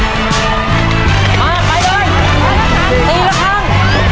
หลวงมาไปเลยเอียงกัน